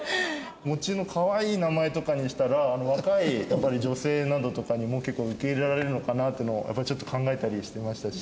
もちのかわいい名前とかにしたら若い女性などとかにも結構受け入れられるのかなっていうのをやっぱりちょっと考えたりしてましたし。